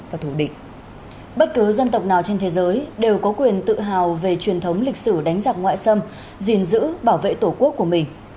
và thủ địch bất cứ dân tộc nào trên thế giới đều có quyền tự hào về truyền thống lịch sử đánh giặc ngoại xâm gìn giữ bảo vệ tổ quốc của mình